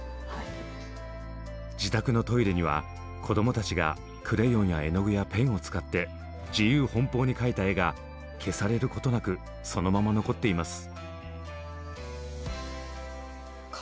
自宅のトイレには子どもたちがクレヨンや絵の具やペンを使って自由奔放に描いた絵が消されることなくそのまま残っています。